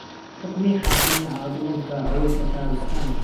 حوکمی حاکمی عادڵم کا ئەوەی کە تابستانە